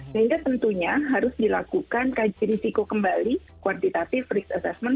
sehingga tentunya harus dilakukan risiko kembali kuaditatif risk assessment